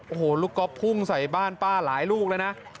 โอ้โหลูกก๊อฟพุ่งใส่บ้านป้าหลายลูกแล้วนะ